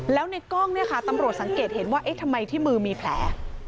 แล้วในกล้องเนี่ยค่ะตำรวจสังเกตเห็นว่าเอ๊ะทำไมที่มือมีแผล